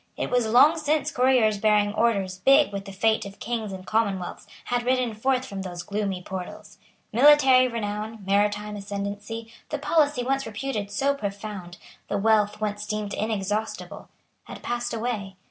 It was long since couriers bearing orders big with the fate of kings and commonwealths had ridden forth from those gloomy portals. Military renown, maritime ascendency, the policy once reputed so profound, the wealth once deemed inexhaustible, had passed away.